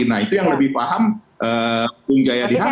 nah itu yang lebih paham bung gaya dihanan